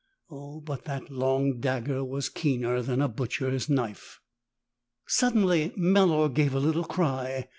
O but that long dagger was keener than a butcher's knife. Suddenly Melor gave a little cry.